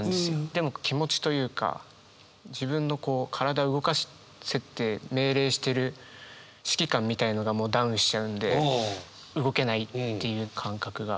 でも気持ちというか自分の体動かせて命令してる指揮官みたいのがダウンしちゃうんで動けないっていう感覚が。